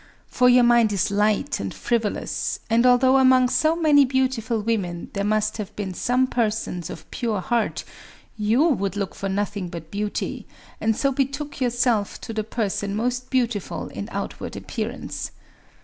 For your mind is light and frivolous; and although among so many beautiful women there must have been some persons of pure heart, you would look for nothing but beauty, and so betook yourself to the person most beautiful in outward appearance.